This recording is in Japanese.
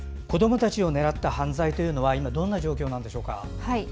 子どもたちを狙った犯罪というのは今、どんな状況でしょうか？